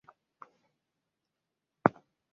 Hali ya kifo chake haijulikani.